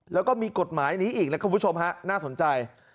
แล้วก็มีกฎหมายนี้อีกนะคุณผู้ชมฮะน่าสนใจ